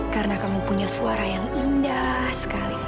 karena kamu punya suara yang indah sekali